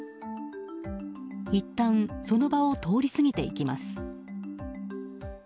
いったんその場を通り過ぎていきます。